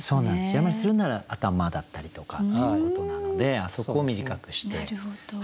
字余りするんなら頭だったりとかっていうことなのであそこを短くして。